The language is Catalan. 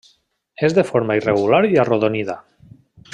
És de forma irregular i arrodonida.